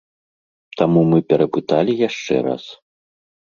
Таму мы перапыталі яшчэ раз.